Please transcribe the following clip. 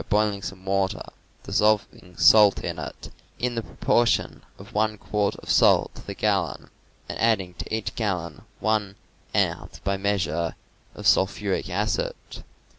boiling some water, dissolving salt in it, in the proportion of one quart of salt to the gallon, and adding to each gallon one ounce by measure of sulphuric acid.